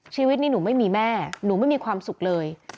ชีวิตนี้หนูไม่มีแม่หนูไม่มีความสุขเลย